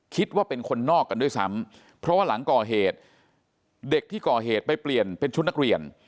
คิดว่าเป็นคนนอกกันด้วยซ้ำเพราะว่าหลังก่อเหตุเด็กที่ก่อเหตุไปเปลี่ยนเป็นชุดนักเรียน